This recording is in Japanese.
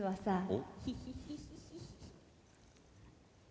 お！